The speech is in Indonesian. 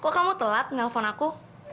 kok kamu telat nelfon aku